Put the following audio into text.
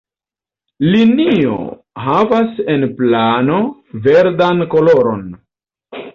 Linio havas en plano verdan koloron.